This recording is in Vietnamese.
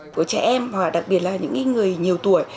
của trẻ em và đặc biệt là những người nhiều tuổi